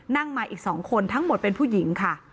นั่งมาอีก๒คนทั้งหมดเป็นผู้หญิงค่ะ